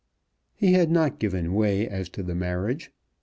He had not given way as to the marriage.